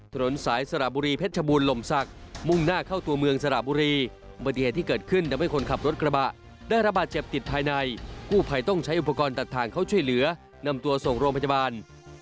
ถนนสายสระบุรีเพชรชบูรณลมศักดิ์มุ่งหน้าเข้าตัวเมืองสระบุรีอุบัติเหตุที่เกิดขึ้นทำให้คนขับรถกระบะได้ระบาดเจ็บติดภายในกู้ภัยต้องใช้อุปกรณ์ตัดทางเข้าช่วยเหลือนำตัวส่งโรงพยาบาล